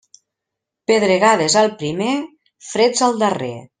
Pedregades al primer, freds al darrer.